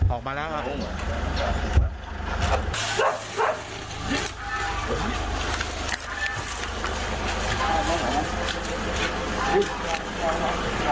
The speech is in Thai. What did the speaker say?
ออกมาแล้วครับ